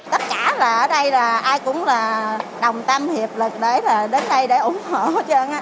tất cả ở đây ai cũng đồng tâm hiệp lực đến đây để ủng hộ